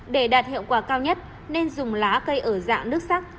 để đạt hiệu quả cao nhất nên dùng lá cây ở dạng nước sắc